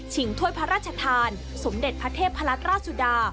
ฉิงถ้วยพระราชธานสมเด็จพระเทพพระราชราชุดา